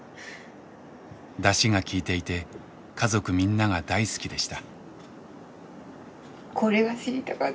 ダシが効いていて家族みんなが大好きでした。